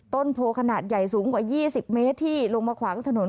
ต้นโพขนาดใหญ่สูงกว่า๒๐เมตรที่ลงมาขวางถนน